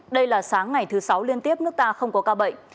đây là sáng ngày thứ sáu liên tiếp nước ta không có ca bệnh